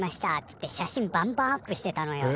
つって写真バンバンアップしてたのよ。